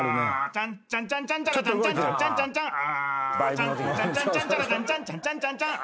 「チャンチャンチャチャンチャラチャンチャンチャンチャンチャンチャン」